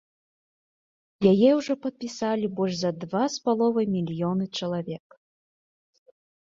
Яе ўжо падпісалі больш за два з паловай мільёны чалавек.